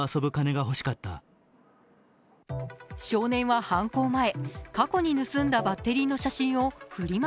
少年は犯行前、過去に盗んだバッテリーの写真をフリマ